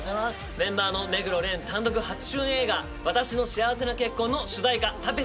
メンバーの目黒蓮単独初主演映画『わたしの幸せな結婚』の主題歌『タペストリー』です。